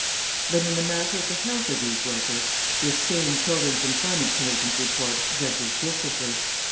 But in the matter of the health of these workers, this same Children's Employment Commission's Report judges differently.